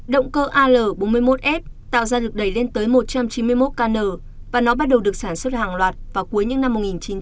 động cơ al bốn mươi một f tạo ra lực đẩy lên tới một trăm chín mươi một kn và nó bắt đầu được sản xuất hàng loạt vào cuối những năm một nghìn chín trăm bảy mươi